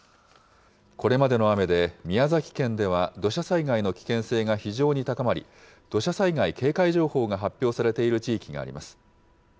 これまでの雨で、宮崎県では土砂災害の危険性が非常に高まり、土砂災害警戒情報が発表されている地域があります。